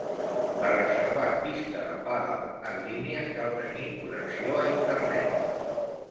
Per reservar pista de pàdel en línia, cal tenir connexió a internet.